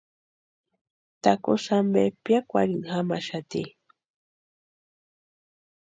Takusï ampe piakwarhini jamaxati.